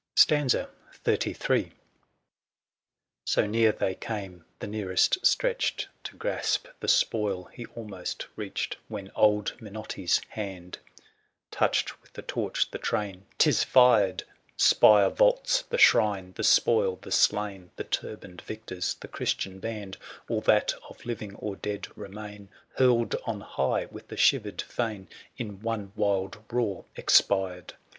965 XXXIII. So near they came, the nearest stretched To grasp the spoil he almost reached, When old Miootti's hand Touched with the torch the train — 'Tis fired! 9^70 ' Z 2 *? THE SIEGE OF CORINTH. Spire, vaults, the shrine, the spoil, the slaitiy ;\ The turbaned victors, the Christian band. All that of living or dead remain. Hurled on high with the shivered fane^ In one wild roar expired